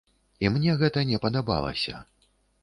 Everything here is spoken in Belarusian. І мне гэта не падабалася.